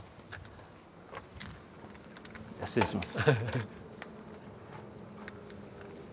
じゃあ失礼します。